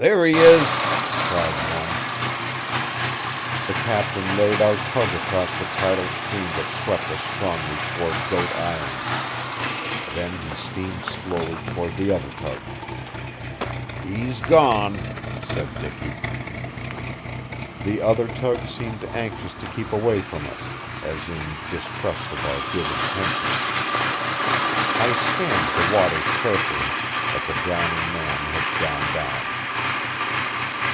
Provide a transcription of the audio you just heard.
"There he is!" cried one. The captain laid our tug across the tidal stream that swept us strongly toward Goat Island. Then he steamed slowly toward the other tug. "He's gone," said Dicky. The other tug seemed anxious to keep away from us, as in distrust of our good intentions. I scanned the waters carefully, but the drowning man had gone down.